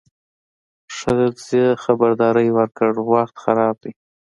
ښځه خبرداری ورکړ: وخت خراب دی.